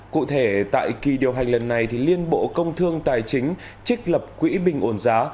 cụ thể tại kỳ điều hành lần này liên bộ công thương tài chính trích lập quỹ bình ổn giá